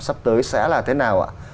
sắp tới sẽ là thế nào ạ